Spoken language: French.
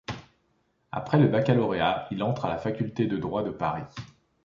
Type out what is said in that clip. Après le baccalauréat, il entre à la faculté de droit de Paris.